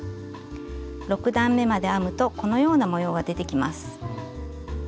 ６段めまで編むとこのような模様が出てきます。